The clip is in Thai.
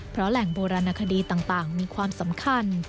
เพราะแหล่งโบราณคดีต่างมีความสำคัญ